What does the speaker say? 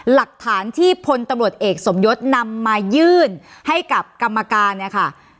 หลักฐานที่พลตำรวจเอกสมยศนำมายื่นให้กับกรรมการเนี่ยค่ะ